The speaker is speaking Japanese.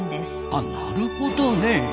あなるほどね。